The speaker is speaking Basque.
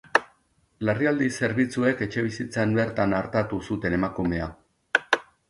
Larrialdi zerbitzuek etxebizitzan bertan artatu zuten emakumea.